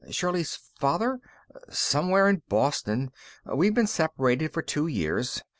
"Shirley's father? Somewhere in Boston. We've been separated for two years.